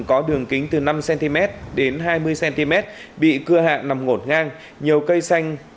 có đường kính từ năm cm đến hai mươi cm bị cưa hạng nằm ngột ngang nhiều cây xanh